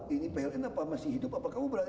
ini pln apa masih hidup apa kamu berani